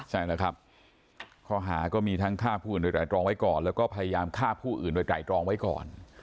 ใช่แล้วครับข้อหาก็มีทั้งฆ่าผู้อื่นโดยไตรรองไว้ก่อนแล้วก็พยายามฆ่าผู้อื่นโดยไตรตรองไว้ก่อน